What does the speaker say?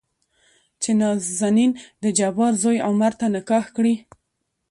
چې نازنين دجبار زوى عمر ته نکاح کړي.